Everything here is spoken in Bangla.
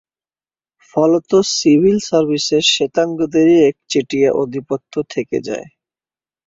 ফলত সিভিল সার্ভিসে শ্বেতাঙ্গদেরই একচেটিয়া আধিপত্য থেকে যায়।